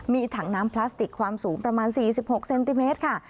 มีถังน้ำพลาสติกความสูงประมาณ๔๖เซนติเมตรค่ะ